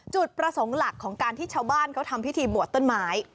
จุดประสงค์หลักของการที่ชาวบ้านเขาทำพิธีบวชต้นไม้